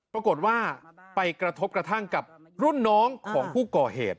ปรากฏว่าไปกระทบกระทั่งกับรุ่นน้องของผู้ก่อเหตุ